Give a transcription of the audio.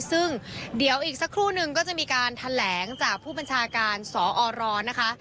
ซึ่งเดี๋ยวอีกสักครู่นึงก็จะมีการแถลงจากผู้บัญชาการสอรนะคะ